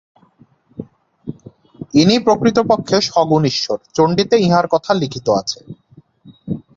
ইনিই প্রকৃতপক্ষে সগুণ ঈশ্বর, চণ্ডীতে ইঁহার কথা লিখিত আছে।